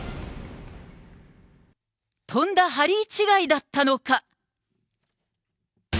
とんだハリー違いだったのか？